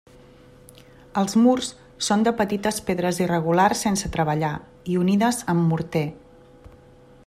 Els murs són de petites pedres irregulars sense treballar i unides amb morter.